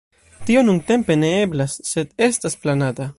Tio nuntempe ne eblas, sed estas planata.